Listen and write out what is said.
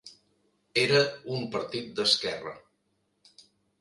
Era un partit d'esquerra.